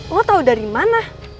lo tau dari mana